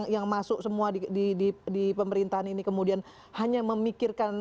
yang masuk semua di pemerintahan ini kemudian hanya memikirkan